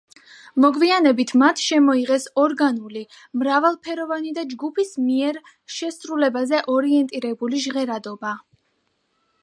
მოგვიანებით მათ შემოიღეს ორგანული, მრავალფეროვანი და ჯგუფის მიერ შესრულებაზე ორიენტირებული ჟღერადობა.